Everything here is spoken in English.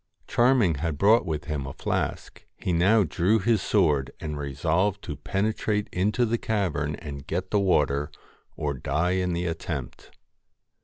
Charming had brought with him a flask : he now drew his sword and resolved to penetrate into the cavern and get the water, or die in the attempt.